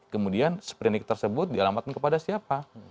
kemudian sprindik tersebut dialamatkan kepada siapa